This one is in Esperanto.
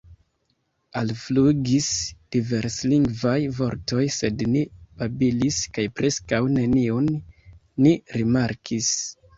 Alflugis diverslingvaj vortoj, sed ni babilis kaj preskaŭ neniun ni rimarkis.